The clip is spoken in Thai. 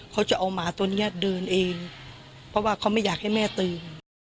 เขาจะเอาหมาตัวเนี้ยเดินเองเพราะว่าเขาไม่อยากให้แม่ตื่น